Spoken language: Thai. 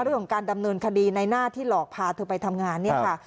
เรื่องของการดำเนินคดีในหน้าที่หลอกพาเธอไปทำงานเนี่ยค่ะ